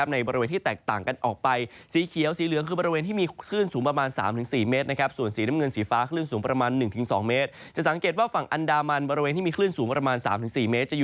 ในบริเวณที่แตกต่างกันออกไป